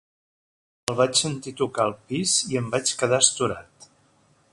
El vaig sentir tocar al pis i em vaig quedar astorat.